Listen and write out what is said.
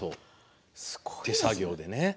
手作業でね。